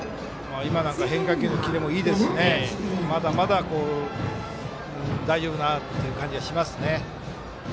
変化球のキレもいいですしまだまだ大丈夫だなという感じがしますね。